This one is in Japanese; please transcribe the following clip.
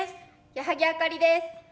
矢作あかりです。